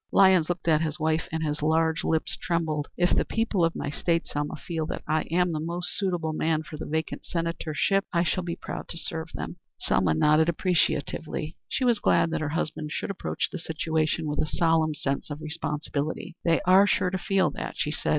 Lyons looked at his wife, and his large lips trembled. "If the people of my State, Selma, feel that I am the most suitable man for the vacant senatorship, I shall be proud to serve them." Selma nodded appreciatively. She was glad that her husband should approach the situation with a solemn sense of responsibility. "They are sure to feel that," she said.